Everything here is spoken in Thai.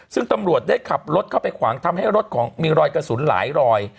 ซึ่งตำรวจได้ขับรถเข้าไปขวางทำให้รถของมีรอยกระสุนหลายรอย